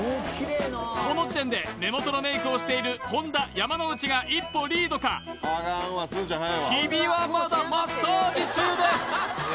この時点で目元のメイクをしている本田山之内が一歩リードか日比はまだマッサージ中です！